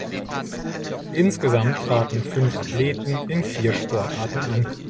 Insgesamt traten fünf Athleten in vier Sportarten an.